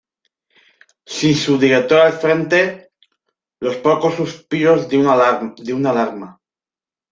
Sin su director al frente, los pocos suspiros de un "Alarma!